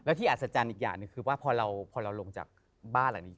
ที่อัศจรรย์อีกอย่างหนึ่งคือว่าพอเราลงจากบ้านหลังนี้